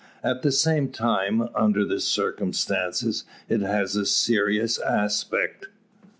At the same time, under the circumstances, it has a serious aspect.